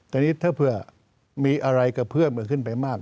แต่นี่ถ้าเผื่อมีอะไรกับเพื่อนมันขึ้นไปมาก